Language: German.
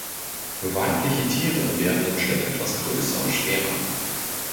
Weibliche Tiere werden im Schnitt etwas größer und schwerer.